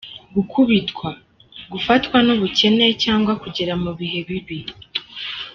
Gukubitwa : gufatwa n’ubukene cyangwa kugera mu bihe bibi.